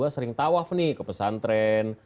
sering tawaf nih ke pesantren